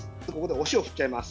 お塩を振ってあります。